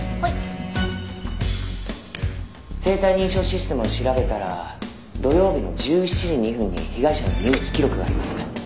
「生体認証システムを調べたら土曜日の１７時２分に被害者の入室記録があります」